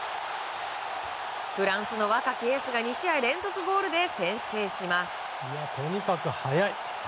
フランスの若きエースが２試合連続ゴールで先制します。